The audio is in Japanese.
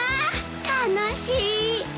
楽しい！